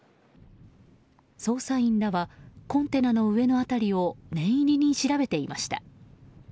捜査員らはコンテナの上の辺りを念入りに調べていました。